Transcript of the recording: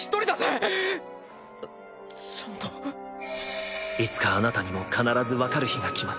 アバン：いつかあなたにも必ずわかる日が来ます。